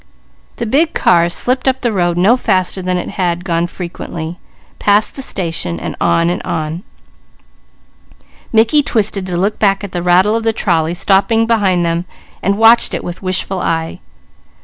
The big car slipped up the road no faster than it had gone frequently, passed the station, then on and on; Mickey twisted to look back at the rattle of the trolley stopping behind them, watching it with wishful eye.